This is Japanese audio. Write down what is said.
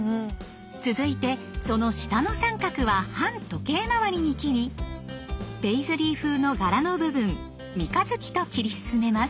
続いてその下の三角は反時計まわりに切りペイズリー風の柄の部分三日月と切り進めます。